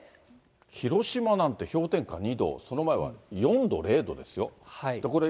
広島なんて、氷点下２度、その前は４度、０度ですよ。